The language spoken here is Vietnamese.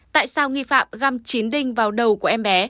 tại sao nghi phạm găm chín đinh vào đầu của em bé